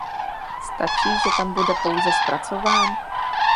Stačí, že tam bude pouze zpracován?